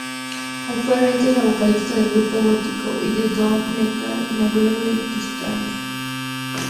Actualmente es la vocalista del grupo gótico y de doom metal noruego Tristania.